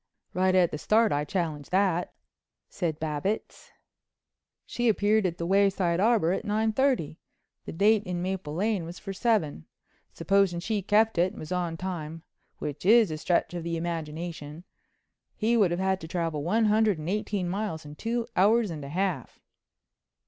"Right at the start I challenge that," said Babbitts. "She appeared at the Wayside Arbor at nine thirty. The date in Maple Lane was for seven. Supposing she kept it and was on time—which is a stretch of the imagination—he would have had to travel one hundred and eighteen miles in two hours and a half."